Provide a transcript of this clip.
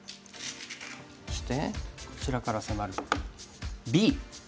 そしてこちらから迫るＢ。